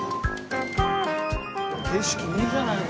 景色いいじゃない！